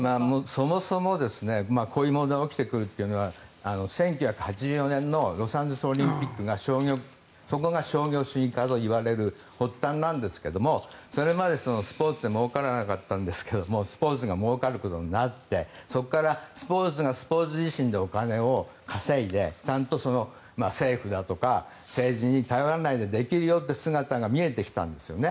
そもそもこういう問題が起きてくるというのは１９８４年のロサンゼルスオリンピックがそこが商業主義化といわれる発端なんですがそれまでスポーツでもうからなかったんですがスポーツがもうかることになってそれからスポーツがスポーツ自身でお金を稼いでちゃんと政府だとか政治に頼らないでできるよって姿が見えてきたんですね。